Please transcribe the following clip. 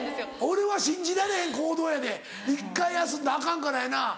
俺は信じられへん行動やねん１回休んだらアカンからやな。